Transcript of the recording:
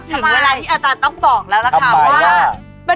คุยกันมาตั้งแต่ต้นรายการแล้ว